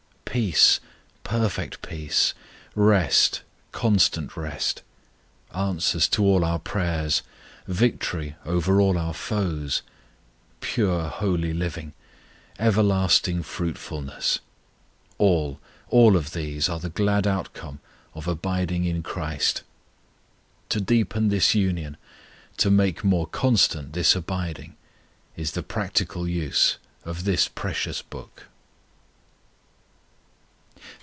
Peace, perfect peace; rest, constant rest; answers to all our prayers; victory over all our foes; pure, holy living; ever increasing fruitfulness. All, all of these are the glad outcome of abiding in CHRIST. To deepen this union, to make more constant this abiding, is the practical use of this precious Book.